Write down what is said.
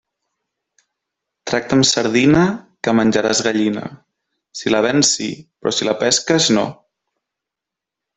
Tracta amb sardina, que menjaràs gallina; si la vens sí, però si la pesques no.